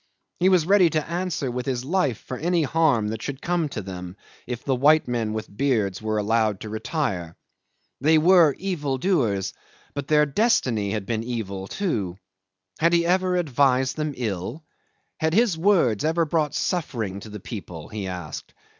He was ready to answer with his life for any harm that should come to them if the white men with beards were allowed to retire. They were evil doers, but their destiny had been evil, too. Had he ever advised them ill? Had his words ever brought suffering to the people? he asked.